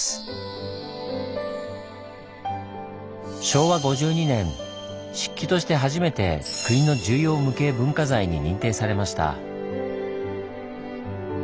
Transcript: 昭和５２年漆器として初めて国の重要無形文化財に認定されました。